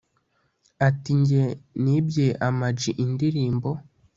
Ati “Njye nibye Ama G indirimbo